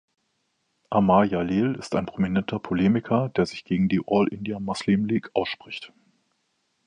Amar Jaleel ist ein prominenter Polemiker, der sich gegen die All-India Muslim League ausspricht.